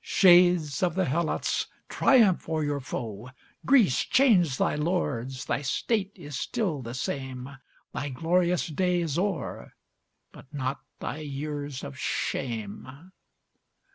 Shades of the Helots! triumph o'er your foe: Greece! change thy lords, thy state is still the same; Thy glorious day is o'er, but not thy years of shame....